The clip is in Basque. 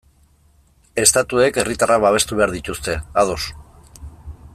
Estatuek herritarrak babestu behar dituzte, ados.